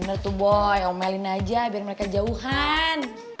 bener tuh boy omelin aja biar mereka jauhan